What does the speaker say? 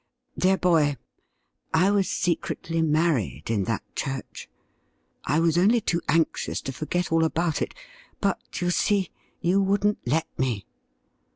Dear boy, I was secretly married in that church ! I was only too anxious to forget all about it, but, you see, you wouldn't let me.'